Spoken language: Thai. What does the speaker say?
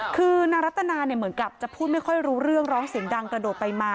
คือนางรัตนาเนี่ยเหมือนกับจะพูดไม่ค่อยรู้เรื่องร้องเสียงดังกระโดดไปมา